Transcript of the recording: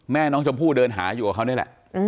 แม่น้องชมพู่เดินหาอยู่กับเขานี่แหละ